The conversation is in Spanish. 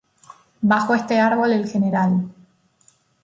Bajo este árbol el Gral.